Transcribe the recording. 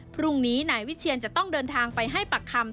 พรุ่งนี้นายวิเชียนจะต้องเดินทางไปให้ปากคำ